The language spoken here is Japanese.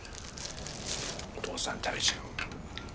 お父さん食べちゃおう。